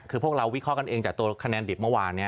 คือพวกเราวิเคราะห์กันเองจากตัวคะแนนดิบเมื่อวาน